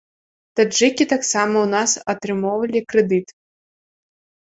Таджыкі таксама ў нас атрымоўвалі крэдыт.